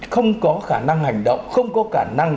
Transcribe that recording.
không có khả năng hành động không có khả năng